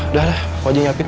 udah udah aku aja yang siapin